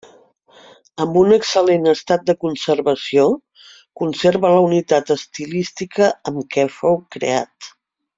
Amb un excel·lent estat de conservació, conserva la unitat estilística amb què fou creat.